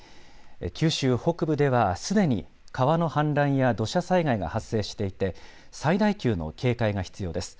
九州北部では、すでに川の氾濫や土砂災害が発生していて、最大級の警戒が必要です。